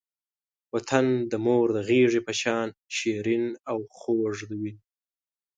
وطن د مور د غېږې په شان شیرین او خوږ وی.